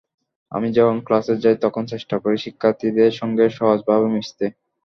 আমি যখন ক্লাসে যাই, তখন চেষ্টা করি শিক্ষার্থীদের সঙ্গে সহজভাবে মিশতে।